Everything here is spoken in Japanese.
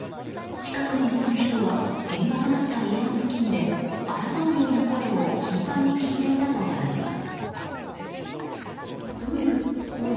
近くに住む人は現場となった家の付近で争うような声を頻繁に聞いていたと話します。